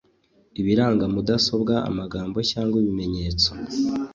Ibiranga mudasobwa amagambo cyangwa ibimenyetso